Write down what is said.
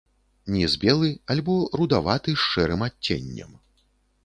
Ніз белы альбо рудаваты з шэрым адценнем.